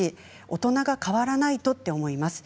大人が変わらないとって思います。